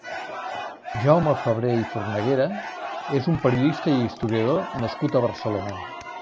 Jaume Fabre i Fornaguera és un periodista i historiador nascut a Barcelona.